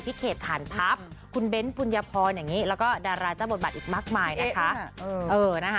พี่เขตฐานทัพคุณเบ้นฟุนยพรแล้วก็ดาราจ้าบทบัตรอีกมากมายนะคะ